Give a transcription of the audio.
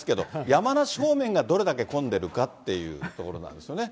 山梨方面がどれだけ混んでるかっていうところなんですよね。